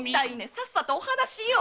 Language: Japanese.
さっさとお話しよ！